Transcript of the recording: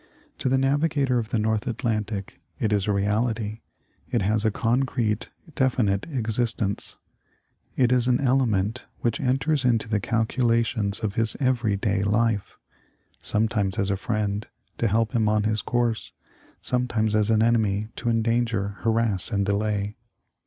To the navigator of the North Atlantic it is a reality ; it has a concrete, definite existence ; it is an ele ment which enters into the calculations of his every day life — sometimes as a friend, to help him on his course, sometimes as an enemy, to endanger, harass, and delay.